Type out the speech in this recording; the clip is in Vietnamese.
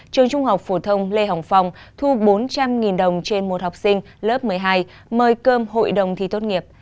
trường trung học phổ thông lê hồng phong thu bốn trăm linh đồng trên một học sinh lớp một mươi hai mời cơm hội đồng thi tốt nghiệp